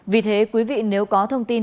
vì thế quý vị nếu có thông tin